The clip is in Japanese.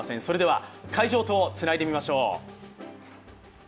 それでは会場とつないでみましょう。